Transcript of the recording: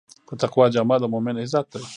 د تقوی جامه د مؤمن عزت دی.